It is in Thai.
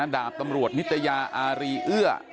ดาบตำรวจนิตยาอารีเอื้อ